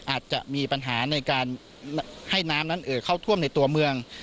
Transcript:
อาจจะมีปัญหาในการให้น้ำนั้นเอ่อเข้าท่วมในตัวเมือง